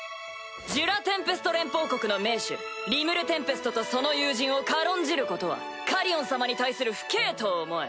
ジュラ・テンペスト連邦国の盟主リムル＝テンペストとその友人を軽んじることはカリオン様に対する不敬と思え。